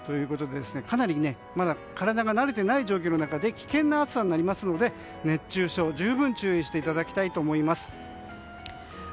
かなりまだ体が慣れていない状況の中で危険な暑さになりますので熱中症に十分注意していただきたいと思います。